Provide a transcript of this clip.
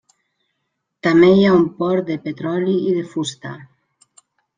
També hi ha un port de petroli i de fusta.